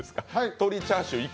鶏チャーシューい